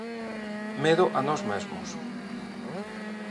Medo a nós mesmos.